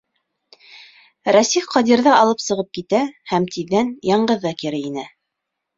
Рәсих Ҡадирҙы алып сығып китә һәм тиҙҙән яңғыҙы кире инә.